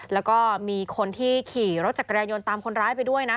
แล้วก็มีคนที่ขี่รถจักรยานยนต์ตามคนร้ายไปด้วยนะ